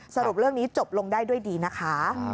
สรุปเรื่องนี้จบลงได้ด้วยดีนะคะ